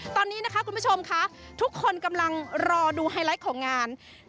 ตอนนี้นะคะคุณผู้ชมค่ะทุกคนกำลังรอดูไฮไลท์ของงาน